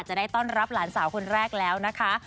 จะได้ต้อนรับหลานสาวคนแรกแล้วนะคะ